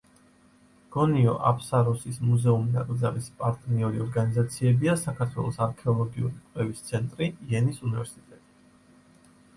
გონიო-აფსაროსის მუზეუმ-ნაკრძალის პარტნიორი ორგანიზაციებია საქართველოს არქეოლოგიური კვლევის ცენტრი, იენის უნივერსიტეტი.